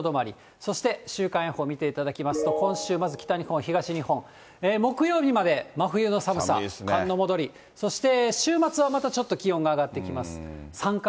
そして週間予報を見ていただきますと、今週、まず北日本、東日本、木曜日まで真冬の寒さ、寒の戻り、そして、週末はまたちょっと気温が上がってきます。